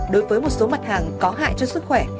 đối với một số mặt hàng có hại cho sức khỏe